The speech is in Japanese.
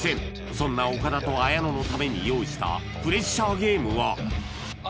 そんな岡田と綾野のために用意したプレッシャーゲームはドン！